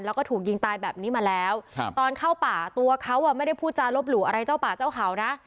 แล้วก็ถูกยิงตายแบบนี้มาแล้วตอนเข้าป่าตัวเขาอ่ะไม่ได้พูดจารบหลู่อะไรเจ้าป่าเจ้าเขานะ